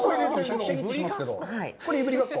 これ、いぶりがっこ？